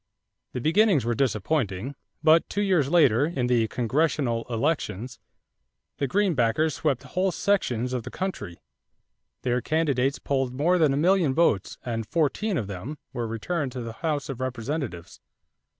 The beginnings were disappointing; but two years later, in the congressional elections, the Greenbackers swept whole sections of the country. Their candidates polled more than a million votes and fourteen of them were returned to the House of Representatives.